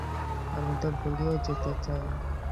আমি তো বলিউড যেতে চাই।